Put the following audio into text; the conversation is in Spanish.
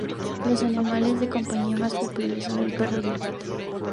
Los animales de compañía más populares son el perro y el gato.